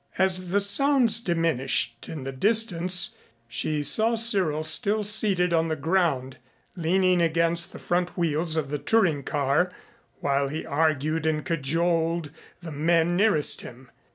As the sounds diminished in the distance she saw Cyril still seated on the ground leaning against the front wheels of the touring car while he argued and cajoled the men nearest him.